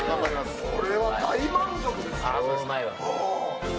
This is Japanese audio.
これは大満足です。